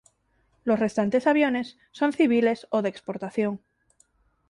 Los restantes aviones son civiles o de exportación.